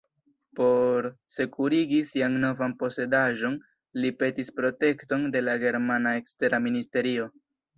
Por sekurigi sian novan posedaĵon li petis protekton de la germana ekstera ministerio.